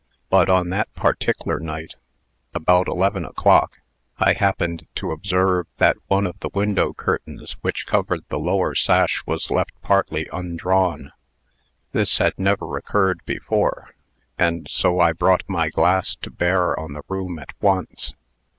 But, on that partickler night, about eleven o'clock, I happened to observe that one of the window curtains which covered the lower sash was left partly undrawn. This had never occurred before, and so I brought my glass to bear on the room at once.